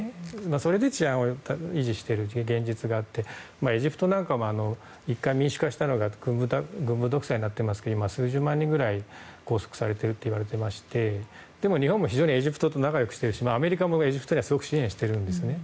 それで治安を維持しているという現実があってエジプトなんかも１回、民主化したのが今は軍部独裁になって今、数十万人くらい拘束されていると言われていまして日本もエジプトと仲良くしてるしアメリカもすごく支援しているんです。